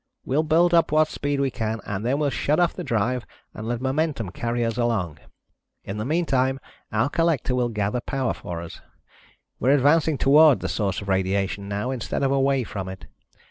We'll build up what speed we can and then we'll shut off the drive and let momentum carry us along. In the meantime our collector will gather power for us. We're advancing toward the source of radiation now, instead of away from it.